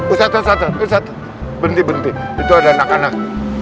ustaz ustaz ustaz berhenti berhenti itu ada anak anak